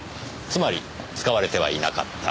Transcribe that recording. つまり使われてはいなかった。